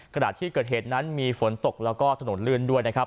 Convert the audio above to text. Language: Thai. ขณะที่เกิดเหตุนั้นมีฝนตกแล้วก็ถนนลื่นด้วยนะครับ